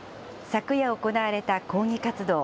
昨夜行われた抗議活動。